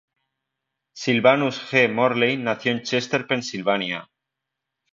Sylvanus G. Morley nació en Chester, Pensilvania.